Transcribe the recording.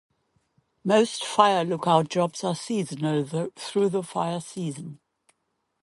Most fire lookout jobs are seasonal through the fire season.